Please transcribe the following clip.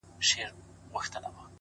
شېخ سره وښورېدی زموږ ومخته کم راغی-